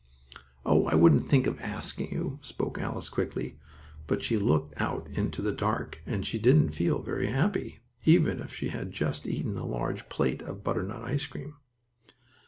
"Oh! I wouldn't think of asking you," spoke Alice quickly, but she looked out into the dark, and she didn't feel very happy, even if she had just eaten a large plate of butternut ice cream.